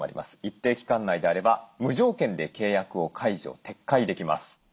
一定の期間内であれば無条件で契約を解除撤回できます。